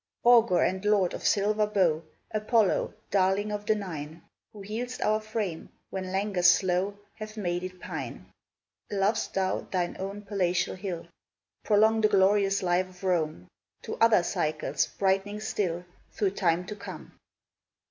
Augur and lord of silver bow, Apollo, darling of the Nine, Who heal'st our frame when languors slow Have made it pine; Lov'st thou thine own Palatial hill, Prolong the glorious life of Rome To other cycles, brightening still Through time to come!